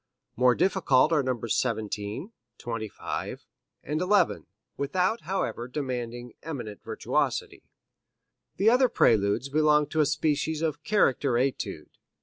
More difficult are Nos. 17, 25 and 11, without, however, demanding eminent virtuosity. The other Preludes belong to a species of character etude.